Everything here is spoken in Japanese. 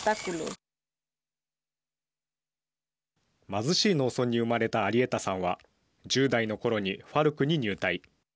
貧しい農村に生まれたアリエタさんは１０代のころにＦＡＲＣに入隊。